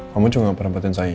kamu juga gak pernah buatin sayur